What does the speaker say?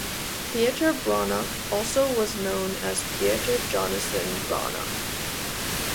Pieter Bronck also was known as Pieter Jonasson Bronck.